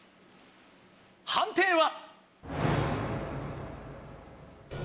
判定は？